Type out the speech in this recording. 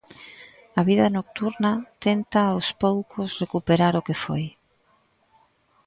A vida nocturna tenta aos poucos recuperar o que foi.